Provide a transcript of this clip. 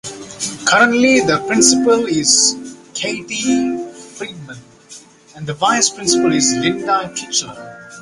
Currently, the principal is Kathy Friedman, and the vice principal is Linda Kitchler.